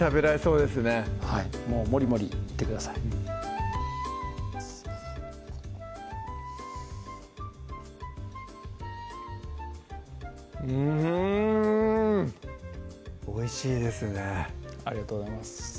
うんおいしいですねありがとうございます